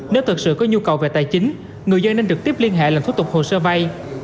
nếu thực sự có nhu cầu về tài chính người dân nên trực tiếp liên hệ làm thủ tục hồ sơ vay